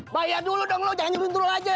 bayar dulu dong lo jangan jendro aja